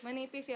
menipis ya pak